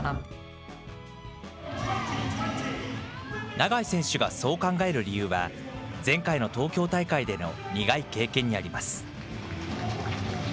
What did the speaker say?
永井選手がそう考える理由は、前回の東京大会での苦い経験にあります。